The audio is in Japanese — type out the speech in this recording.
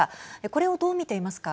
これをどう見ていますか。